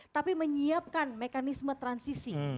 tapi menyiapkan mekanisme transisi